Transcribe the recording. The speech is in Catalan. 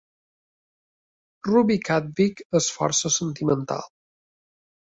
Ruby Cadwick és força sentimental.